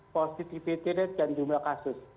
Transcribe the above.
positivity rate dan jumlah kasus